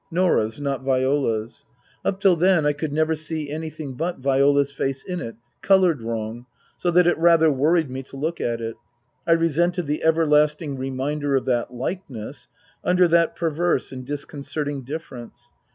Norah's, not Viola's. Up till then I could never see anything but Viola's face in it, coloured wrong, so that it rather worried me to look at it. I resented the everlasting reminder of that likeness under that perverse and disconcerting difference.